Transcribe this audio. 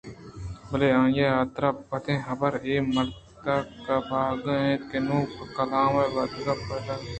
بلئے آئی ءِ حاترا بدیں حبر اے مردک ءِ آہگ اَت کہ نوں پہ کلام ءَ ودار ءَ پائدگ نیست اِنت